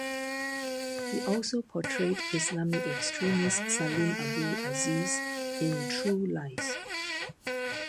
He also portrayed Islamic extremist Salim Abu Aziz in "True Lies".